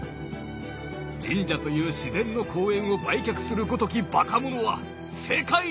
「神社という自然の公園を売却する如き馬鹿者は世界に無し！」。